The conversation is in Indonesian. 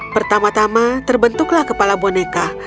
pertama tama terbentuklah kepala boneka